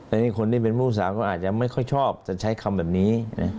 อันนี้คนที่เป็นผู้สาวก็อาจจะไม่ค่อยชอบจะใช้คำแบบนี้